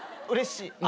うれしい？